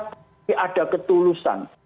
tapi ada ketulusan